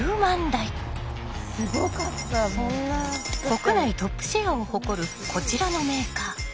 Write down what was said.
国内トップシェアを誇るこちらのメーカー。